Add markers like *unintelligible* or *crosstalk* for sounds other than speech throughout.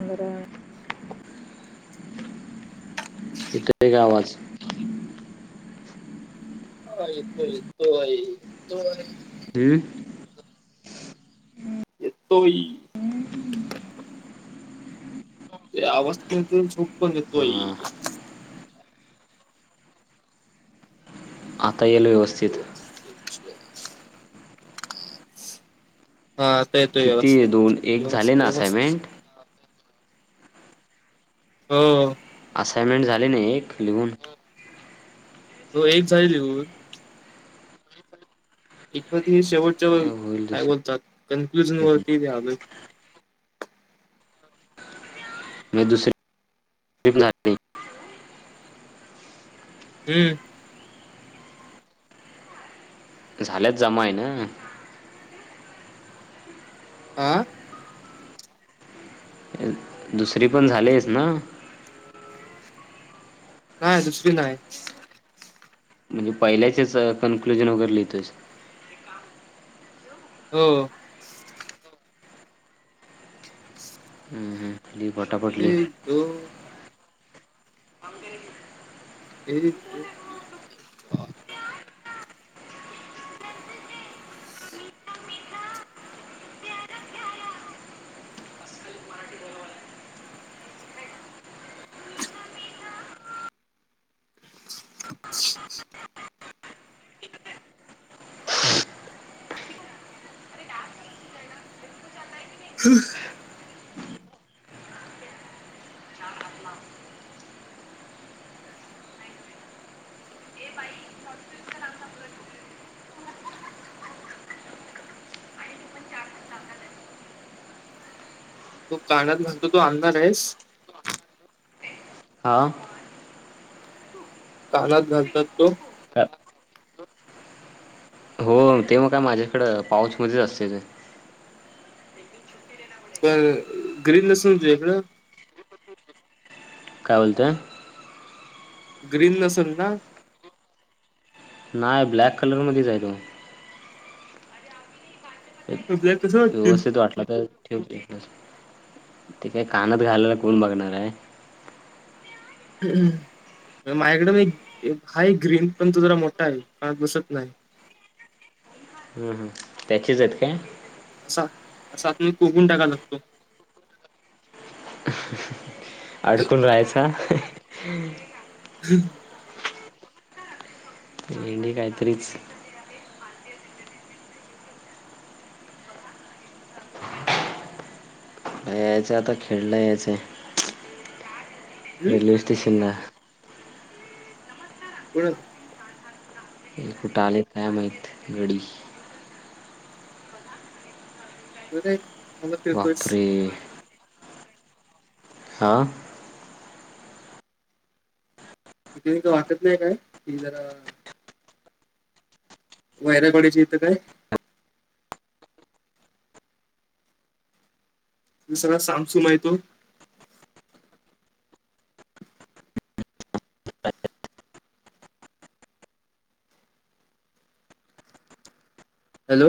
बरं येतोय का आवाज? हा येतोय येतोय येतोय. हम्म. येतोय. ते आवाज पण येतोय आणि झोप पण येतोय. हा, आता येईल व्यवस्थित. *unintelligible* *unintelligible* हा आता येतो किती व्यवस्थित दोन एक झाले व्यवस्थ ना व्यवस्थित असाइनमेंट हो. असाइनमेंट झाली नाही एक लिहून हो एक झाईल होन एकम शेवटच्या होईल काय दुसरी बोलतात कन्क्ल्युजन पण वरतीलं मग दुसरी पण झाली हम्म झालेच जमाय ना आ दुसरी पण झालीच ना नाही दुसरी नाही म्हणजे पहिल्याचेच कन्क्लुजन वगैरे लिहितोच हो हम्म, हम्म. लिह पटापट लिह एक दो एक द ह तू कानात म्हणतो तू आणणार आहेस हा कानात घालतात तो का- हो ते मग काय माझ्याकड पाऊच मध्येच असते ते पण ग्रीन लसणचकड काय बोलतोय ग्रीन नसल ना नाही ब्लॅक कलर मधच आहे तो तुला कसं वाटतील व्यवस्थित वाटला तर ठेवते ते काय कानात घालायला कोण बघणार आहे माझ्याकड म हा ग्रीन पण तू जरा मोठा आहे पण बसत नाही हम् हम त्याचीच आहेत काय अस आत मी कोकण टाका लागतो अडकून राहायचा हम्म ह दे काहीतरीच यायचं आता खेळलं यायचंय हम्म रेल्वे स्टेशनला कोुणा कुठे आले काय माहत गडी *inaudible* फिरतोयस बापरे आा तिथे का वाटत नाही काय कि जरा वैरागडीची येतं काय तसरा सॅमसंग इथून हॅलो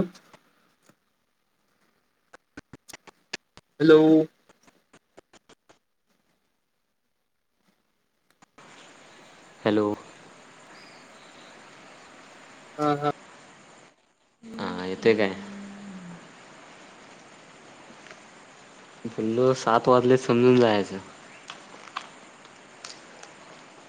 हॅलो हॅलो. ह हा. ह येते काय. पुलो सात वाजले समजून जायचं.